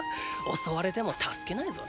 襲われても助けないぞ。